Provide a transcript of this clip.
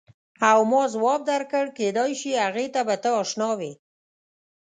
او ما ځواب درکړ کېدای شي هغې ته به ته اشنا وې.